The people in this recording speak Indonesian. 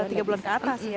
iya tiga bulan ke atas